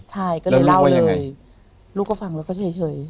ใช่ก็เลยเล่าเลยลูกก็ฟังแล้วก็เฉย